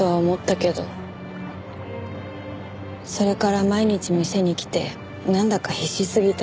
それから毎日店に来てなんだか必死すぎたし。